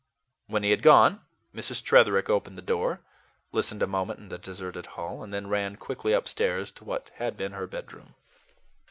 When he had gone, Mrs. Tretherick opened the door, listened a moment in the deserted hall, and then ran quickly upstairs to what had been her bedroom.